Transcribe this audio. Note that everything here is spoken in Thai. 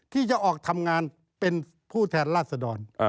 ที่จะออกทำงานเป็นผู้แทนราชดร